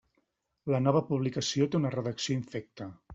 La nova publicació té una redacció infecta.